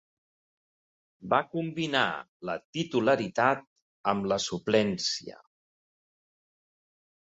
Va combinar la titularitat amb la suplència.